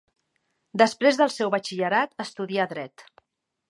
Després del seu batxillerat, estudià dret.